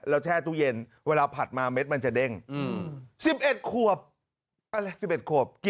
โอโหเลยออกไป